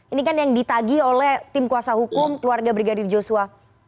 ini kan yang ditagi oleh tim kuasa hukum keluarga brigadir joshua